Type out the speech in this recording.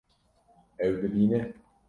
Ew dibîne